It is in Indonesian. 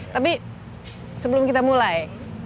tapi sebelum kita mulai